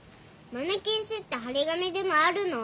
マネきん止ってはり紙でもあるの？